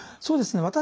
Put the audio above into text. そうですね。